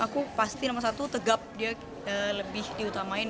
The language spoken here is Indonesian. aku pasti nomor satu tegap dia lebih diutamain